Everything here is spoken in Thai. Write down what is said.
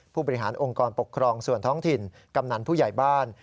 ผู้บริหารองค์กรปกครองส่วนท้องถิ่นกำนันผู้ใหญ่บ้าน